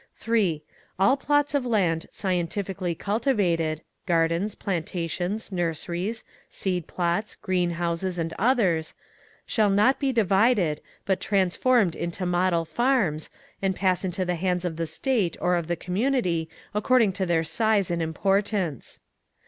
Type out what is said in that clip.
3. All plots of land scientifically cultivated—gardens, plantations, nurseries, seed plots, green houses, and others—shall not be divided, but transformed into model farms, and pass into the hands of the State or of the community, according to their size and importance.